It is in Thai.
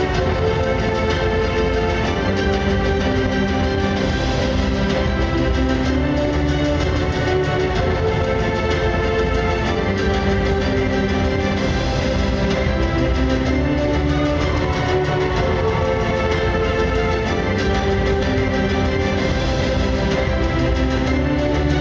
แซมชื่อคุณทิคาทิชาจะรับรับคุณก่อนที่จะขึ้นรถไปโปรด